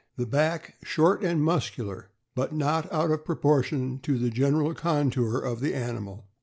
— The back short and muscular, but not out of pro portion to the general contour of the animal.